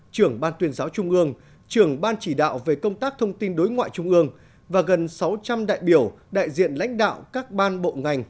trưởng ban tuyên giáo trung ương trưởng ban chỉ đạo về công tác thông tin đối ngoại trung ương và gần sáu trăm linh đại biểu đại diện lãnh đạo các ban bộ ngành